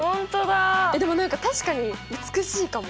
でも何か確かに美しいかも。